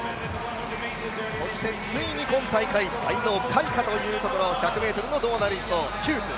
ついに今大会才能開花というところ１００ｍの銅メダリスト、ヒューズ。